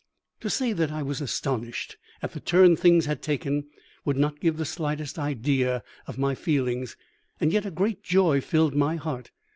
To say that I was astonished at the turn things had taken would not give the slightest idea of my feelings. And yet a great joy filled my heart.